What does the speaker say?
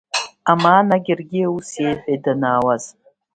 Амаан Агергиа ус иеиҳәет данаауаз…